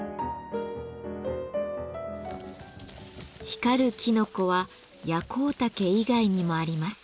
光るきのこはヤコウタケ以外にもあります。